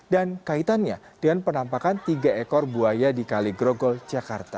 dan kaitannya dengan penampakan tiga ekor buaya di kaligrogol jakarta